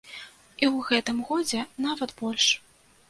І ў гэтым годзе нават больш.